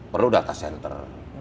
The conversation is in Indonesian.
perlu data center